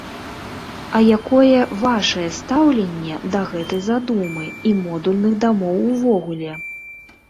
А якое вашае стаўленне да гэтай задумы і модульных дамоў увогуле?